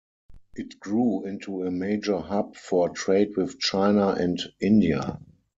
It grew into a major hub for trade with China and India.